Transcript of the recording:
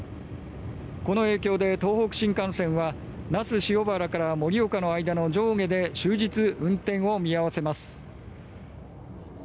この影響で東北新幹線は那須塩原から盛岡の間の上下で終日運転を見合わせます。